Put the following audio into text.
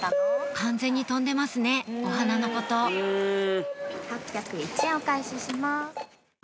完全に飛んでますねお花のこと８０１円お返しします。